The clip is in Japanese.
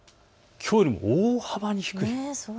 きょうよりも大幅に低いんです。